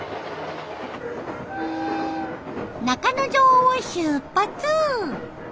中之条を出発！